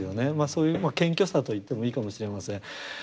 そういう謙虚さと言ってもいいかもしれません。